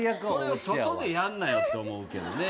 それを外でやんなよと思うけど。